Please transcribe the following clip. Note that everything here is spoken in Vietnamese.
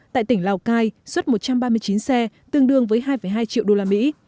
tại tỉnh lào cai xuất một trăm ba mươi chín xe tương đương với hai hai triệu usd